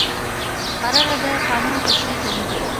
مقرره د قانون تشریح کوونکې ده.